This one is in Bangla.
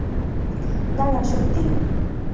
দাঁড়া, সত্যিই?